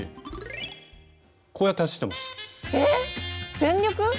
全力？